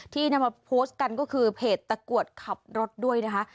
นำมาโพสต์กันก็คือเพจตะกรวดขับรถด้วยนะคะ